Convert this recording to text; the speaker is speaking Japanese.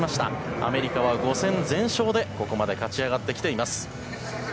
アメリカは５戦全勝で、ここまで勝ち上がってきています。